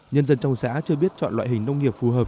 nhân dân trong xã chưa biết chọn loại hình nông nghiệp phù hợp